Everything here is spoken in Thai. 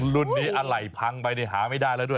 รุ่นนี้อะไรพังไปหาไม่ได้แล้วด้วย